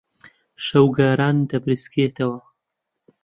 شەوگاران دەبریسکێتەوە.